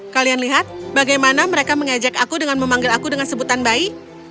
kalian lihat bagaimana mereka mengajak aku dengan memanggil aku dengan sebutan bayi